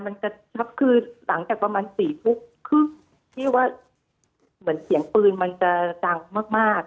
มันกระชับคือหลังจากประมาณ๔ทุ่มครึ่งที่ว่าเหมือนเสียงปืนมันจะดังมากมาก